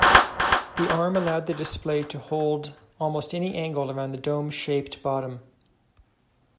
The arm allowed the display to hold almost any angle around the dome-shaped bottom.